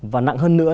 và nặng hơn nữa